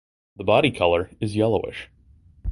The body colour is yellowish.